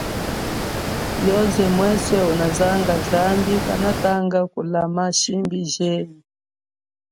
Yoze mweswe unazanga zambi kanatamba kulama shimbi jenyi.